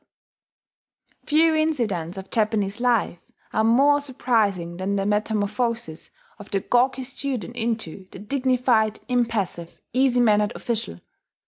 ] Few incidents of Japanese life are more surprising than the metamorphosis of the gawky student into the dignified, impassive, easy mannered official.